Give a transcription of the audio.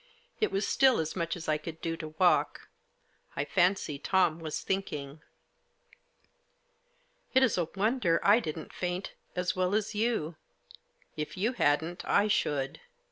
It was still as much as I could do to walk ; I fancy Tom was thinking. " It is a wonder I didn't faint as well as you ; if you hadn't I should.